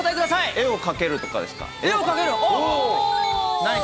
絵を描けるとかですか？